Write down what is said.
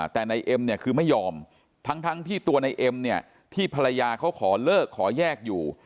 แต่นายเอ็มเนี่ยคือไม่ยอมทั้งที่ตัวในเอ็มเนี่ยที่ภรรยาเขาขอเลิกขอแยกอยู่